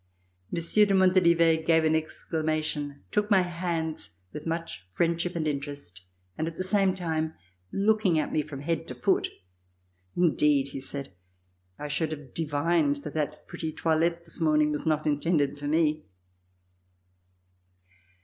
Monsieur de Montalivet gave an exclamation, took my hands with much friendship and interest and at the same time looking at me from head to foot: "Indeed," he said, "I should have divined that that pretty toilette this morning was not intended for me."